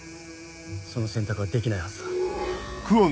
その選択はできないはずだ。